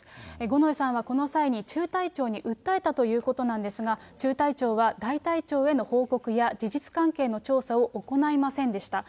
五ノ井さんはこの際に中隊長に訴えたということなんですが、中隊長は大隊長への報告や事実関係の調査を行いませんでした。